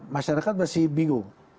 masyarakat masih bingung